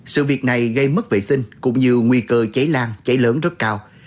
sự việc này gây mất vệ sinh cũng như nguy cơ cháy lan cháy lớn rất cao